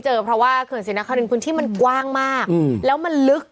เจอเพราะว่าเครื่องสินค้าหนึ่งพื้นที่มันกว้างมากอืมแล้วมันลึก